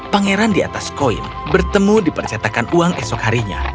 pangeran di atas koin bertemu di percetakan uang esok harinya